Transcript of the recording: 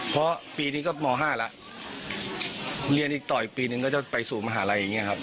เพราะปีนี้ก็ม๕แล้วเรียนอีกต่ออีกปีนึงก็จะไปสู่มหาลัยอย่างนี้ครับ